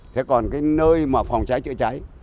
thế còn cái nơi mà phòng cháy chữa cháy